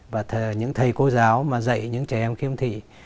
và những thầy cô giáo mà dạy những trẻ em khiêm thị